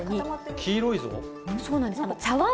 黄色いぞ。